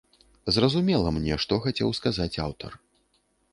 Зразумела мне, што хацеў сказаць аўтар.